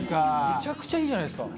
めちゃくちゃいいじゃないですか。